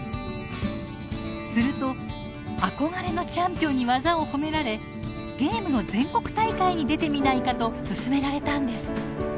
すると憧れのチャンピオンに技を褒められ「ゲームの全国大会に出てみないか」と勧められたんです。